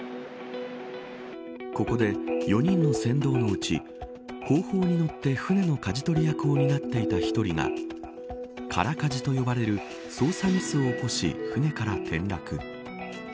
ここで、４人の船頭のうち後方に乗って舟のかじ取り役を担っていた１人が空かじと呼ばれる操作ミスを起こし、舟から転落。